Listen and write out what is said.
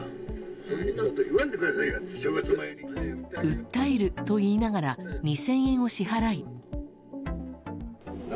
訴えると言いながら２０００円を支払い。